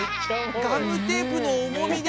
ガムテープのおもみでね